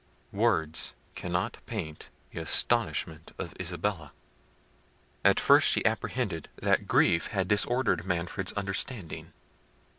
Words cannot paint the astonishment of Isabella. At first she apprehended that grief had disordered Manfred's understanding.